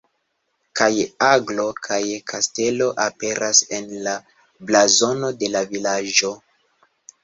Kaj aglo kaj kastelo aperas en la blazono de la vilaĝo.